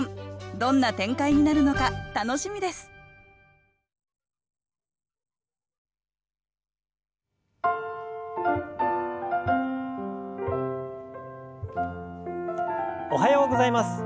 どんな展開になるのか楽しみですおはようございます。